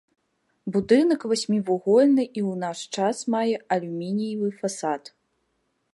Будынак васьмівугольны і ў наш час мае алюмініевы фасад.